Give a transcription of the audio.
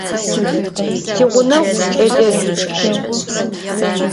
Тигъунэгъу кӏэлэшӏу.